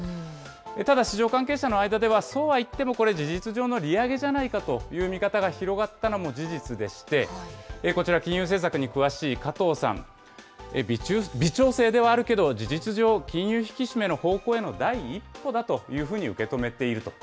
ただ、市場関係者の間では、そうはいっても、これ、事実上の利上げじゃないかという見方が広がったのも事実でして、こちら、金融政策に詳しい加藤さん、微調整ではあるけど、事実上、金融引き締めの方向への第一歩だというふうに受け止めていると。